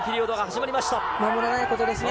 守らないことですね。